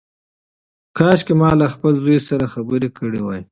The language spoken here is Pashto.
کاشکي ما له خپل زوی سره خبرې کړې وای.